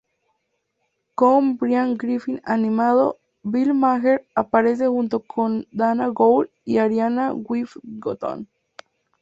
Con Brian Griffin Animado, Bill Maher aparece junto con Dana Gould y Arianna Huffington.